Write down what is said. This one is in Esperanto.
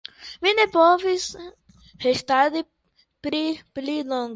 Mi ne povis restadi pli longe.